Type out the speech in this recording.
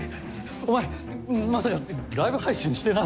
お前まさかライブ配信してないよな？